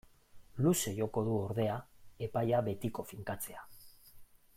Luze joko du, ordea, epaia betiko finkatzea.